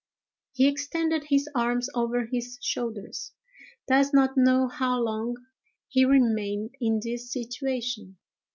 He extended his arms over his shoulders. Does not know how long he remained in this situation.